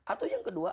atau yang kedua